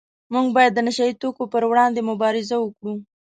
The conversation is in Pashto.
موږ باید د نشه یي توکو پروړاندې مبارزه وکړو